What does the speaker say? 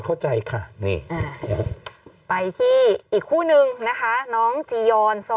เข้าใจค่ะนี่ไปที่อีกคู่นึงนะคะน้องจียอน